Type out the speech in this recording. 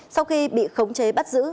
sau khi bị khống chế bắt giữ